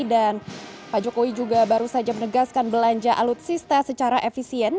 dan pak jokowi juga baru saja menegaskan belanja alutsista secara efisien